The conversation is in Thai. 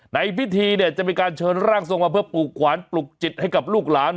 ในพิธีจะมีการเชิญร่างทรงมาเพื่อปลูกขวานปลุกจิตให้กับลูกหลาน